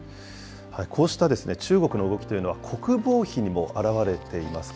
こうした中国の動きというのは、国防費にも表れています。